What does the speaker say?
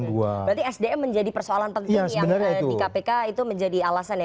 berarti sdm menjadi persoalan penting yang di kpk itu menjadi alasan ya